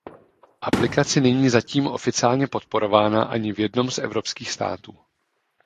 Aplikace není zatím oficiálně podporována ani v jednom z evropských států.